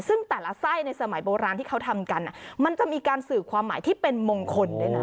ซึ่งแต่ละไส้ในสมัยโบราณที่เขาทำกันมันจะมีการสื่อความหมายที่เป็นมงคลด้วยนะ